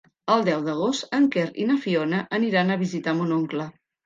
El deu d'agost en Quer i na Fiona aniran a visitar mon oncle.